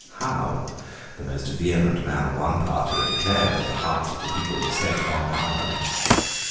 Howe, the most vehement man of one party, declared that the hearts of the people were set on Ireland.